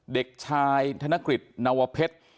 เด็กชายธนกฤษนวเพชร